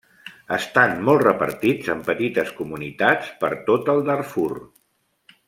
Estan molt repartits en petites comunitats per tot el Darfur.